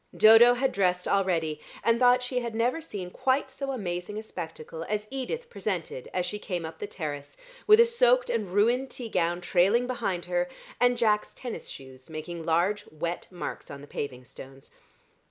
Dodo had dressed already, and thought she had never seen quite so amazing a spectacle as Edith presented as she came up the terrace, with a soaked and ruined tea gown trailing behind her, and Jack's tennis shoes making large wet marks on the paving stones.